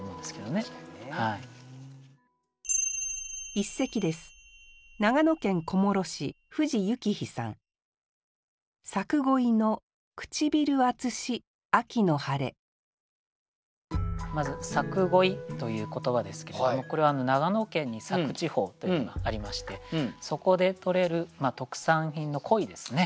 一番いい鑑賞それを考えるとやっぱりその読みがまず「佐久鯉」という言葉ですけれどもこれは長野県に佐久地方というのがありましてそこで取れる特産品の鯉ですね。